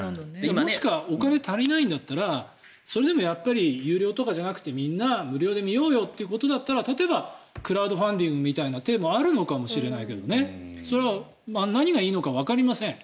もしくはお金足りないんだったらそれでも有料とかじゃなくてみんな無料で見ようよということだったら例えばクラウドファンディングみたいなこともあるのかもしれないしそれは何がいいのかわかりません。